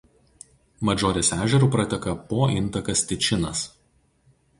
Madžorės ežeru prateka Po intakas Tičinas.